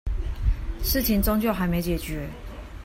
事情終究還沒解決